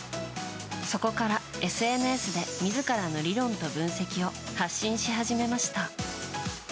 そこからＳＮＳで自らの理論と分析を発信し始めました。